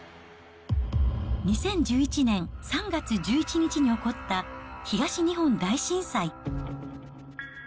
２０１１年３月１１日に起こった東日本大震災。